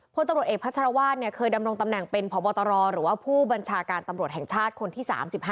พลตำรวจเอกพัชรวาสเคยดำรงตำแหน่งเป็นพบตรหรือว่าผู้บัญชาการตำรวจแห่งชาติคนที่๓๕